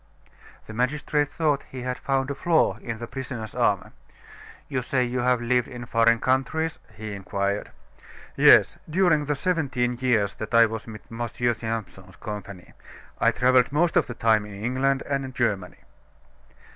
The magistrate thought he had found a flaw in the prisoner's armor. "You say you have lived in foreign countries?" he inquired. "Yes; during the seventeen years that I was with M. Simpson's company, I traveled most of the time in England and Germany."